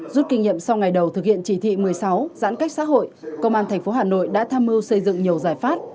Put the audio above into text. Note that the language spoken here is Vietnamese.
rút kinh nghiệm sau ngày đầu thực hiện chỉ thị một mươi sáu giãn cách xã hội công an tp hà nội đã tham mưu xây dựng nhiều giải pháp